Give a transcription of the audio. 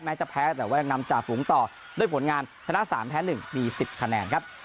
จะแพ้แต่ว่ายังนำจ่าฝูงต่อด้วยผลงานชนะ๓แพ้๑มี๑๐คะแนนครับ